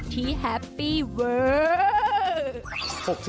๖๐ที่แฮปปี้เวิร์ด